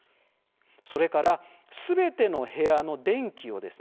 それからすべての部屋の電気をですね